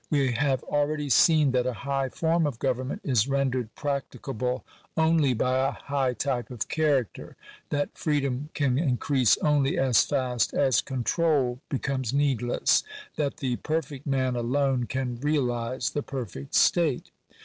We have already seen that a high form of government is rendered prac ticable only by a high type of character — that freedom can increase only as fast as control becomes needless — that the perfect man alone can realize the perfect state.